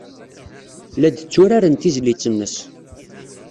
La d-tturaren tizlit-nnes.